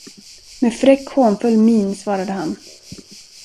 Med fräck, hånfull min svarade han.